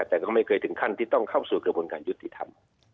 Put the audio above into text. แต่ก็ไม่เคยถึงขั้นที่ต้องเข้าสู่กระบวนการยุติธรรม